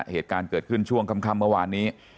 เหตุการณ์เกิดขึ้นช่วงค่ำเมื่อวานนี้